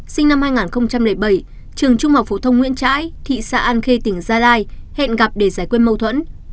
sinh năm hai nghìn bảy trường trung học phổ thông nguyễn trãi thị xã an khê tỉnh gia lai hẹn gặp để giải quyết mâu thuẫn